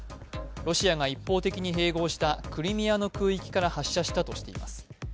ロシアが一方的に併合したクリミアの空域から発射したとしています。